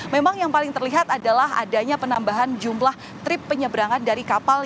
memang yang paling terlihat adalah adanya penambahan jumlah trip penyeberangan dari kapal